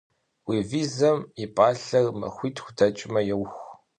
Уи визэм и пӏалъэр махуитху дэкӏмэ еух.